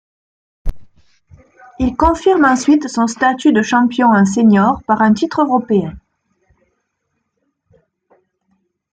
Il confirme ensuite son statut de champion en senior par un titre Européen.